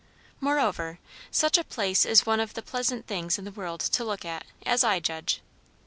Moreover, such a place is one of the pleasant things in the world to look at, as I judge.